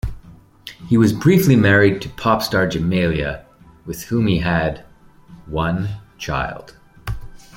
He was briefly married to pop star Jamelia, with whom he had one child.